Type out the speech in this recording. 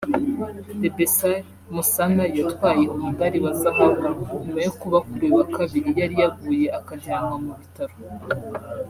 Debesay Mossana yatwaye umudali wa Zahabu nyuma yo kuba kuri uyu wa Kabiri yari yaguye akajyanwa mu bitaro